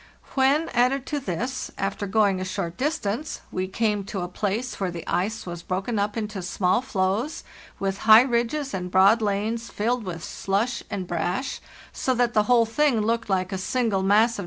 When, added to this, after going a short distance, we came to a place where the ice was broken up into small floes, with high ridges and broad lanes filled with slush and brash, so that the whole thing looked like a single mass of.